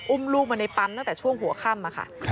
อุ้มลูกมาในปั๊มตั้งแต่ช่วงหัวค่ำอะค่ะ